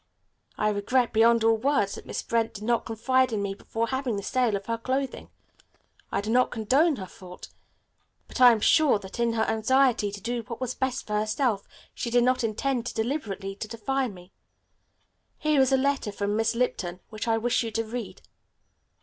I regret, beyond all words, that Miss Brent did not confide in me before having the sale of her clothing. I do not condone her fault, but I am sure that in her anxiety to do what was best for herself she did not intend deliberately to defy me. Here is a letter from Miss Lipton which I wish you to read."